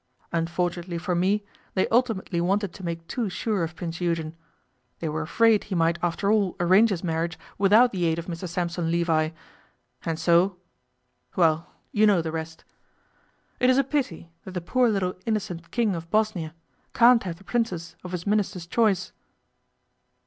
Unfortunately for me, they ultimately wanted to make too sure of Prince Eugen. They were afraid he might after all arrange his marriage without the aid of Mr Sampson Levi, and so well, you know the rest.... It is a pity that the poor little innocent King of Bosnia can't have the Princess of his Ministers' choice.